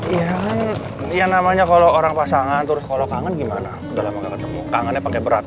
iya kan yang namanya kalo orang pasangan terus kalo kangen gimana udah lama gak ketemu kangennya pake berat